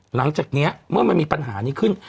หลังจากนี้เมื่อมันมีปัญหานี้ขึ้น